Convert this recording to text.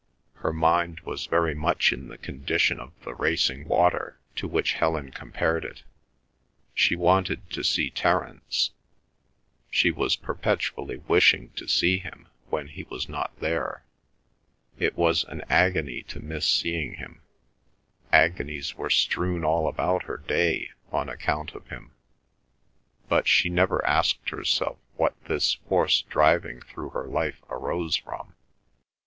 Her mind was very much in the condition of the racing water to which Helen compared it. She wanted to see Terence; she was perpetually wishing to see him when he was not there; it was an agony to miss seeing him; agonies were strewn all about her day on account of him, but she never asked herself what this force driving through her life arose from.